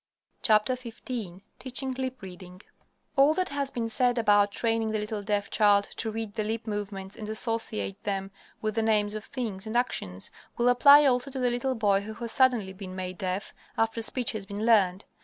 XV TEACHING LIP READING All that has been said about training the little deaf child to read the lip movements and associate them with the names of things and of actions, will apply also to the little boy who has suddenly been made deaf, after speech has been learned.